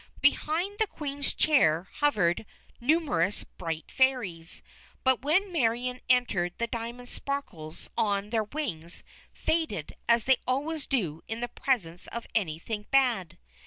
Behind the Queen's chair hovered numerous bright Fairies, but when Marion entered the diamond sparkles on their wings faded as they always do in the presence of anything bad.